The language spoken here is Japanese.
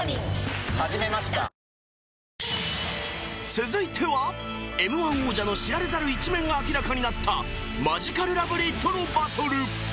続いては Ｍ−１ 王者の知られざる一面が明らかになったマヂカルラブリーとのバトル